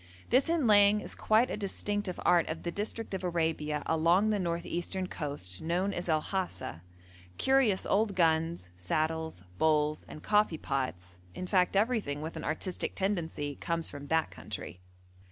This inlaying is quite a distinctive art of the district of Arabia along the north eastern coast known as El Hasa; curious old guns, saddles, bowls, and coffee pots, in fact everything with an artistic tendency, comes from that country.